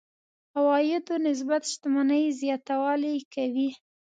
عوایدو نسبت شتمنۍ زياتوالی کوي.